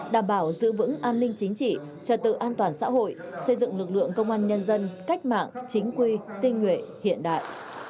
đảm bảo giữ vững an ninh chính trị trật tự an toàn xã hội xây dựng lực lượng công an nhân dân cách mạng chính quy tinh nguyện hiện đại